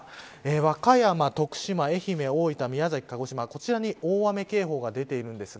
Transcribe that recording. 和歌山、徳島、愛媛、大分宮崎、鹿児島、こちらに大雨警報が出ています。